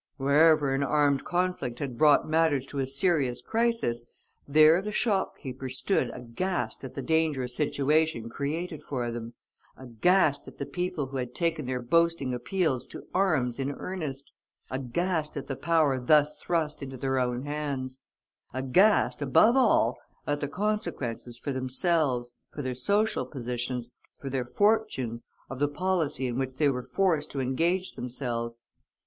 Wherever an armed conflict had brought matters to a serious crisis, there the shopkeepers stood aghast at the dangerous situation created for them; aghast at the people who had taken their boasting appeals to arms in earnest; aghast at the power thus thrust into their own hands; aghast, above all, at the consequences for themselves, for their social positions, for their fortunes, of the policy in which they were forced to engage themselves.